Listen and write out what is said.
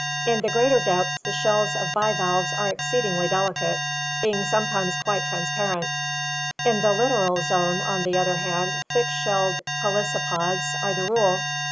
In the greater depths the shells of bivalves are exceedingly delicate, being sometimes quite transparent; in the littoral zone, on the other hand, thick shelled pelecypods are the rule.